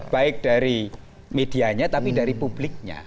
baik dari medianya tapi dari publiknya